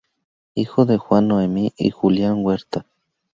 Hijo de Juan Noemi y Julia Huerta.